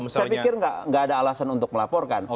saya pikir tidak ada alasan untuk melaporkan